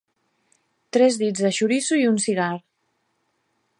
Tres dits de xoriço i un cigar